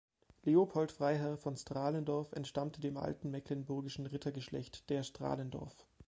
Leopold Freiherr von Stralendorf entstammte dem alten mecklenburgischen Rittergeschlecht der Stralendorff.